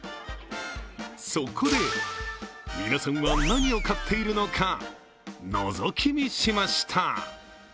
そこで、皆さんは何を買っているのかのぞき見しました。